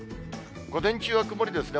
午前中は曇りですね。